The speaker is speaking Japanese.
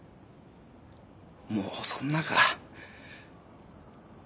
もうそんなか。